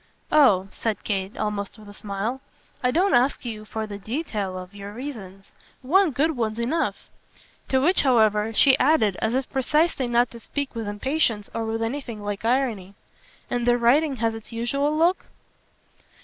"Oh," said Kate almost with a smile, "I don't ask you for the detail of your reasons. One good one's enough." To which however she added as if precisely not to speak with impatience or with anything like irony: "And the writing has its usual look?"